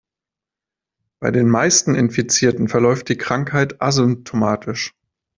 Bei den meisten Infizierten verläuft die Krankheit asymptomatisch.